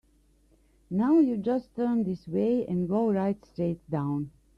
Now you just turn this way and go right straight down.